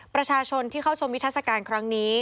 ประชาชนที่เข้าชมนิทัศกาลครั้งนี้